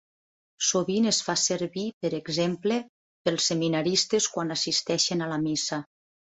Sovint es fa servir, per exemple, pels seminaristes quan assisteixen a la Missa.